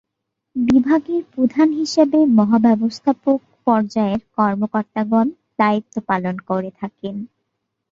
বিভাগের প্রধান হিসেবে মহাব্যবস্থাপক পর্যায়ের কর্মকর্তাগণ দায়িত্ব পালন করে থাকেন।